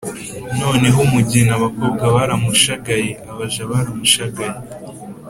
noneho umugeni abakobwa baramushagaye, abaja baramushagaye,